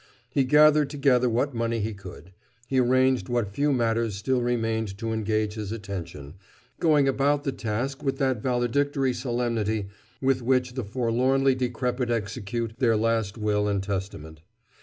He gathered together what money he could; he arranged what few matters still remained to engage his attention, going about the task with that valedictory solemnity with which the forlornly decrepit execute their last will and testament.